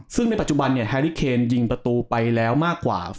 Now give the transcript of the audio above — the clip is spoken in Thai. ซึ่งในปัจจุบันแสเออฮารี่เคนยิงประตูไปแล้วมากกว่า๒๐๐ประตู